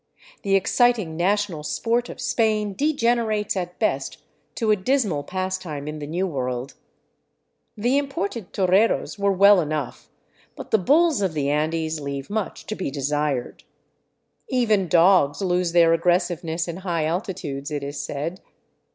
The exciting national sport of Spain degenerates at best to a dismal pastime in the new world. The imported toreros were well enough, but the bulls of the Andes leave much to be desired. Even dogs lose their aggressiveness in high altitudes, it is said.